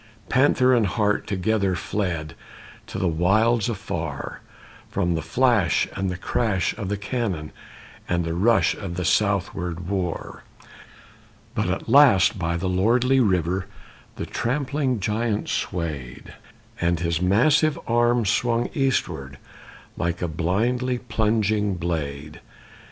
Panther and hart together Fled to the wilds afar, From the flash and the crash of the cannon And the rush of the southward war. But at last by the lordly river The trampling giant swayed, And his massive arm swung eastward Like a blindly plunging blade.